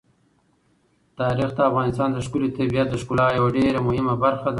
تاریخ د افغانستان د ښکلي طبیعت د ښکلا یوه ډېره مهمه برخه ده.